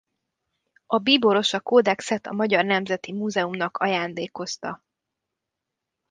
A bíboros a kódexet a Magyar Nemzeti Múzeumnak ajándékozta.